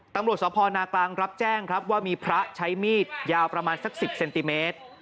ตำรวจสพนากลางรับแจ้งครับว่ามีพระใช้มีดยาวประมาณสัก๑๐เซนติเมตร